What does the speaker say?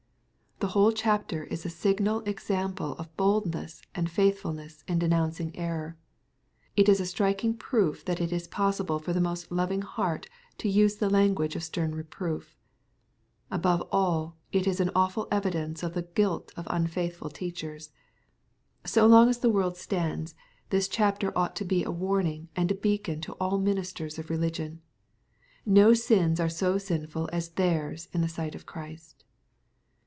The whole chapter is a signal example of boldness and faithfulness in denouncing error. It is a striking proof that it is possible for the most loving heart to use the language of stem reproof. Above all it is an awful evidence of the guilt of unfaithful teachers. So long as the world stands, this chapter ought to be a Warning and a beacon to all ministers of religion. No sins are so sinful as theirs in the sight of Christ.